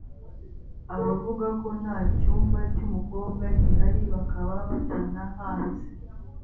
abavuga ko nta cyumba cy’umukobwa gihari bakaba batanahazi